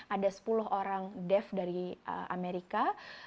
ada sepuluh orang dev dari amerika